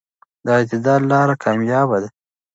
د اعتدال لاره کاميابه ده.